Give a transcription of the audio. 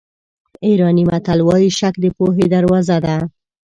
ایراني متل وایي شک د پوهې دروازه ده.